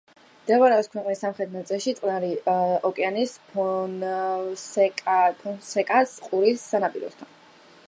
მდებარეობს ქვეყნის სამხრეთ ნაწილში, წყნარი ოკეანის ფონსეკას ყურის სანაპიროსთან.